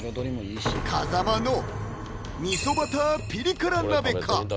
風間の味噌バターピリ辛鍋か？